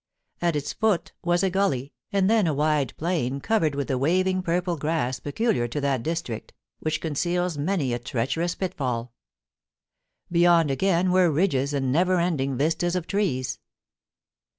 At its foot was a gully, and then a wide plain covered with the waving purple grass peculiar to that district, which con ceals many a treacherous pitfalL Beyond, again, were ridges and never ending vistas of trees.